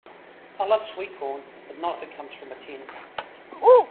I love sweetcorn, but not if it comes from a tin.